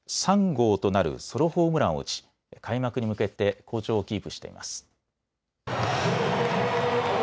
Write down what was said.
３号となるソロホームランを打ち開幕に向けて好調をキープしています。